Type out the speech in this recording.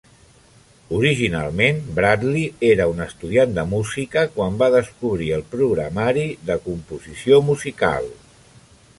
Originalment, Bradley era un estudiant de música quan va descobrir el programari de composició musical.